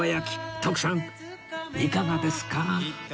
徳さんいかがですか？